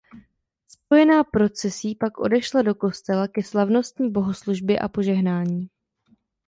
Spojená procesí pak odešla do kostela ke slavnostní bohoslužbě a požehnání.